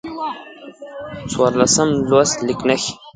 څوارلسم لوست: لیک نښې